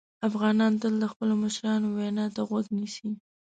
افغان تل د خپلو مشرانو وینا ته غوږ نیسي.